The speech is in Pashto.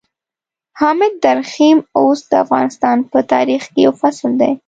حامد درخيم اوس د افغانستان په تاريخ کې يو فصل دی.